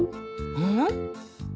うん？